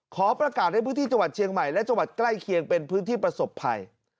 ขอประกาศให้พื้นที่จังหวัดเชียงใหม่และจังหวัดใกล้เคียงเป็นพื้นที่ประสบภัย